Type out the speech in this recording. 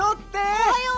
おはよう！